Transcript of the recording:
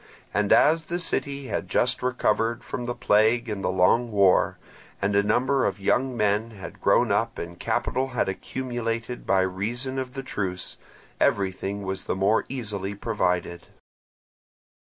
And as the city had just recovered from the plague and the long war, and a number of young men had grown up and capital had accumulated by reason of the truce, everything was the more easily provided.